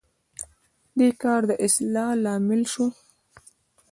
دې کار د اصلاح لامل شو.